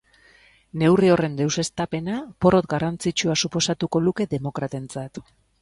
Neurri horren deuseztapena porrot garrantzitsua suposatuko luke demokratentzat.